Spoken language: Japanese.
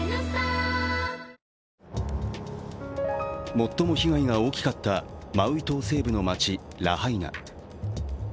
最も被害が大きかったマウイ島西部の町ラハイナ。